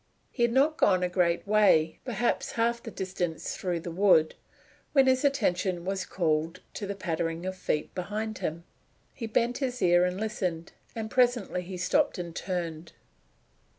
He had not gone a great way perhaps half the distance through the wood when his attention was called to the pattering of feet behind him. He bent his ear and listened, and presently he stopped and turned.